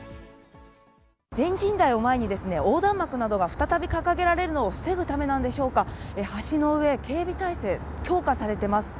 全人代を前に、横断幕などが再び掲げられるのを防ぐためなんでしょうか、橋の上、警備体制、強化されています。